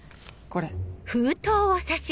これ。